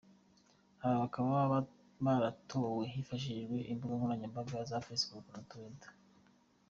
Abo bakaba baratowe hifashishijwe imbuga nkoranyambaga za Facebook na Twitter.